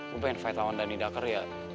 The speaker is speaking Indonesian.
gue pengen fight lawan dhani dakar ya